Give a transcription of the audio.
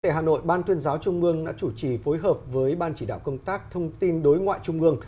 tại hà nội ban tuyên giáo trung ương đã chủ trì phối hợp với ban chỉ đạo công tác thông tin đối ngoại trung ương